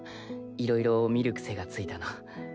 いろいろ見る癖がついたの。